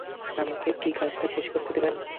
আমাকে কী কাজটা শেষ করতে দিবেন।